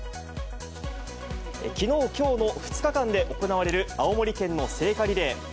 きのう、きょうの２日間で行われる青森県の聖火リレー。